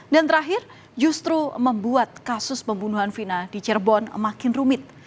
dan terakhir justru membuat kasus pembunuhan vina di cirebon makin rumit